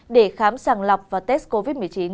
để khám sàng lọc và test covid một mươi chín